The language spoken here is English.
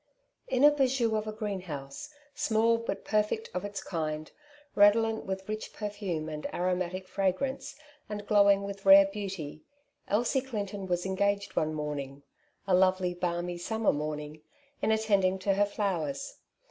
In a bijou of a greenhouse, small but perfect of its kind, redolent with rich perfume and aromatic fra grance, and glowing with rare beauty, Elsie Clinton was engaged one morning — a lovely balmy sum mer morning— in attending to her flowers.